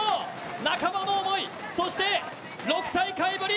仲間の思い、そして６大会ぶり